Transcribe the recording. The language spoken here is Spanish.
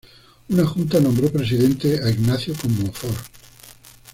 Una junta nombró presidente a Ignacio Comonfort.